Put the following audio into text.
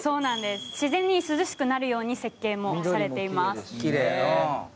自然に涼しくなるように設計もされています